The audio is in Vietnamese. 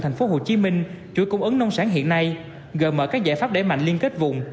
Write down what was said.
thành phố hồ chí minh chuỗi cung ứng nông sản hiện nay gợi mở các giải pháp để mạnh liên kết vùng